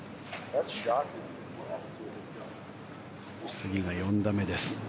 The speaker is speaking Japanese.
次が４打目です。